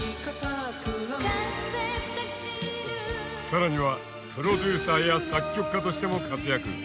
更にはプロデューサーや作曲家としても活躍。